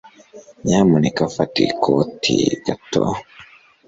Nyamuneka fata ikoti gato